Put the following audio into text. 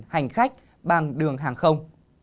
hành khách bàn